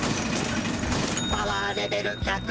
「パワーレベル１００」。